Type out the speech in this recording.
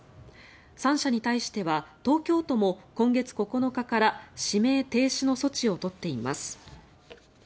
３社に対しては東京都も今月９日から指名停止の措置を取っています。